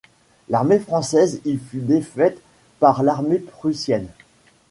L'armée française y fut défaite par l'armée prussienne.